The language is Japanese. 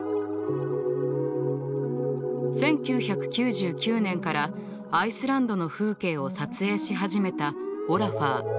１９９９年からアイスランドの風景を撮影し始めたオラファー。